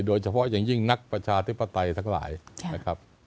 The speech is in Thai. โดยเฉพาะอย่างยิ่งนักประชาธิปไตยทั้งหลายนะครับ